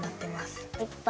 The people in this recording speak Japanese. いっぱい。